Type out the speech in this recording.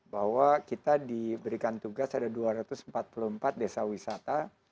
bahwa kita diberikan tugas ada dua ratus empat puluh empat desa wisata